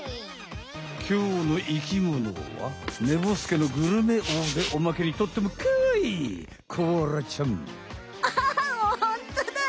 きょうの生きものはねぼすけのグルメ王でおまけにとってもかわいいアハハホントだ！